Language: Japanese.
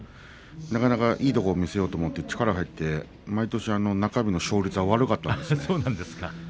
いいところを見せようと思って力が入って中日の勝率が悪かったです。